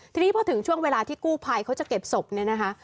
ทีนี้พอถึงช่วงเวลาที่กู้ภัยเขาจะเก็บศพเนี่ยนะคะ